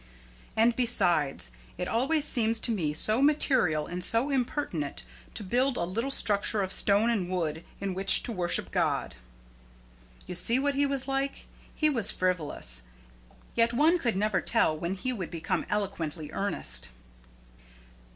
"And, besides, it always seems to me so material and so impertinent to build a little structure of stone and wood in which to worship God!" You see what he was like? He was frivolous, yet one could never tell when he would become eloquently earnest.